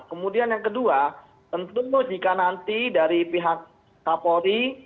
kemudian yang kedua tentu jika nanti dari pihak kapolri